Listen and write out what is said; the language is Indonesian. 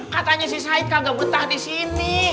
katanya si said kagak betah disini